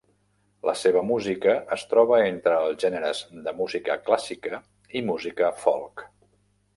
La seva música es troba entre els gèneres de música clàssica i música folk.